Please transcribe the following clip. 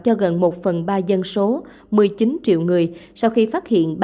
cho gần một phần ba dân số một mươi chín triệu người sau khi phát hiện